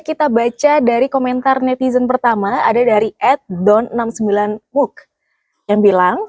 kita baca dari komentar netizen pertama ada dari ed don enam puluh sembilan wuk yang bilang